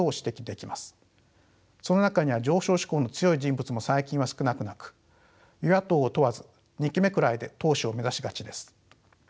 その中には上昇志向の強い人物も最近は少なくなく与野党を問わず２期目くらいで党首を目指しがちです。